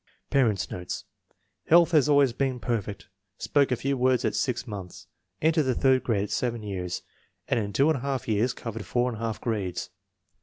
Parents 9 notes. Health has always been perfect. Spoke a few words at 6 months. Entered the third grade at v years, and in two and a half years covered four and a half grades.